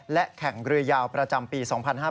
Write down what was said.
และแข่งเรือยาวประจำปี๒๕๕๙